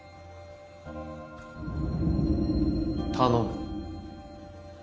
頼む